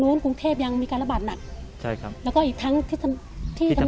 แรกเริ่มจะกลับวันที่สามเมษจะกลับวันที่สี่ใช่ไหมคะ